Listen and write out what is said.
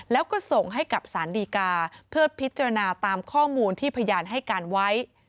แล้วก็ส่งให้กับสารดีกาเพื่อพิจารณาตามข้อมูลที่พยานให้การไว้